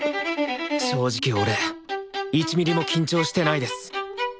正直俺１ミリも緊張してないです。